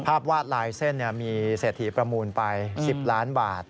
ภาพวาดลายเส้นมีเสถียร์ประมูลไป๑๐ล้านบาท